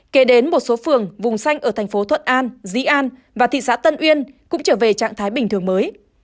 kế đến một số phường vùng xanh ở thành phố thuận an dĩ an và thị xã tân uyên cũng trở về trạng thái bình thường mới